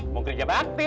mau ke jepang